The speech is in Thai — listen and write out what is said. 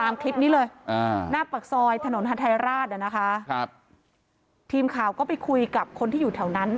ตามคลิปนี้เลยหน้าปากซอยถนนฮาทายราชอ่ะนะคะครับทีมข่าวก็ไปคุยกับคนที่อยู่แถวนั้น